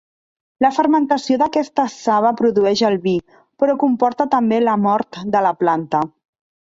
La fermentació d'aquesta saba produeix el vi, però comporta també la mort de la planta.